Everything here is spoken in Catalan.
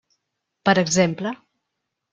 Per exemple.